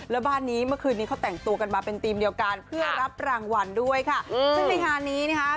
แล้วบ้านนี้เมื่อคืนนี้เขาแต่งตัวกันมาเป็นธีมเดียวกันเพื่อรับรางวัลด้วยค่ะซึ่งในงานนี้นะคะ